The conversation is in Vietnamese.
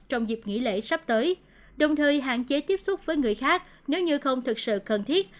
trong dịp nghỉ lễ sắp tới đồng thời hạn chế tiếp xúc với người khác nếu như không thực sự cần thiết